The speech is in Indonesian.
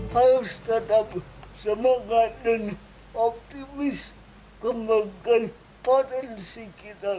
harus tetap semangat dan optimis kembangkan potensi kita